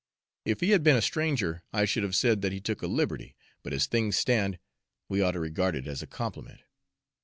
If he had been a stranger, I should have said that he took a liberty; but as things stand, we ought to regard it as a compliment.